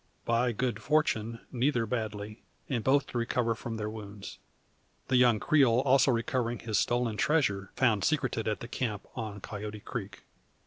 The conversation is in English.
By good fortune, neither badly, and both to recover from their wounds; the young Creole also recovering his stolen treasure, found secreted at the camp on Coyote creek.